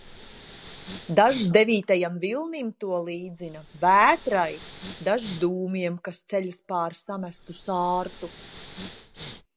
Dažs devītajam vilnim to līdzina, vētrai, dažs dūmiem, kas ceļas pār samestu sārtu.